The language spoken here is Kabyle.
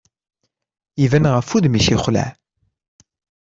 Iban ɣef wudem-is yexleɛ.